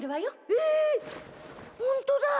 えっほんとだ。